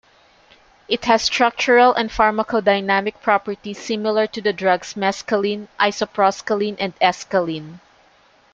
It has structural and pharmacodynamic properties similar to the drugs mescaline, isoproscaline, and escaline.